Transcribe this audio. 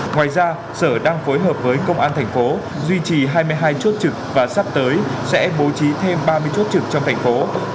ngoài ra sở đang phối hợp với công an thành phố duy trì hai mươi hai chốt trực và sắp tới sẽ bố trí thêm ba mươi chốt trực trong thành phố